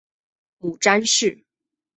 母詹氏。